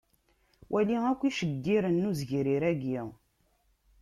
Wali akk iceggiren n uzegrir-agi.